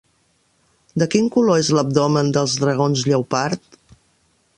De quin color és l'abdomen dels dragons lleopard?